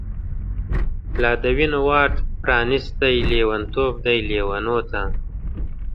لا د وینو واټ پرانیستۍ، لیونتوب دی لیونوته